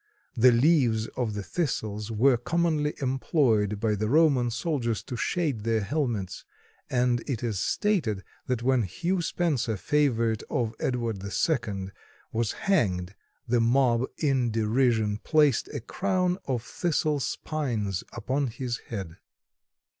The leaves of the Thistles were commonly employed by the Roman soldiers to shade their helmets, and it is stated that when Hugh Spencer, favorite of Edward II, was hanged, the mob, in derision, placed a crown of thistle spines upon his head.